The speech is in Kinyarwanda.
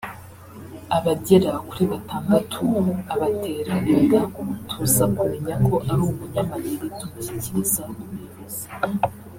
abagera kuri batandatu abatera inda tuza kumenya ko ari umunyamayeri tumushyikiriza ubuyobozi”